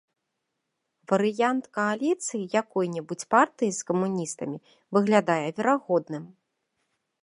Варыянт кааліцыі якой-небудзь партыі з камуністамі выглядае верагодным.